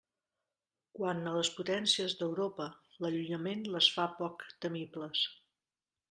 Quant a les potències d'Europa, l'allunyament les fa poc temibles.